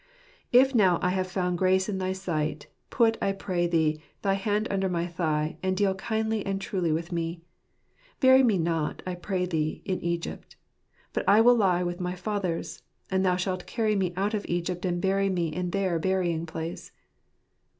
" If now I have found grace in thy sight, put, I pray thee, thy hand under my thigh, and deal kindly and truly with me. Bury me not, I pray thee, in Egypt : but I will lie with my fathers 3 and thou shalt carry me out of Egypt and bury me in their burying place."